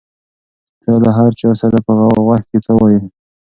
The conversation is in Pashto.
ته له هر چا سره په غوږ کې څه وایې؟